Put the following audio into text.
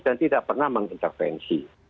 dan tidak pernah mengintervensi